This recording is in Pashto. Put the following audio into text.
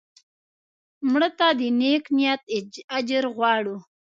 مړه ته د نیک نیت اجر غواړو